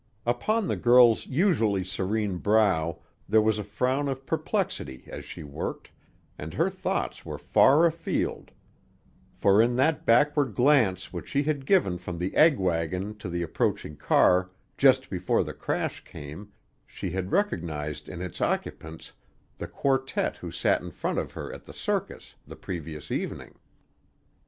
Upon the girl's usually serene brow there was a frown of perplexity as she worked, and her thoughts were far afield, for in that backward glance which she had given from the egg wagon to the approaching car just before the crash came she had recognized in its occupants the quartet who sat in front of her at the circus the previous evening.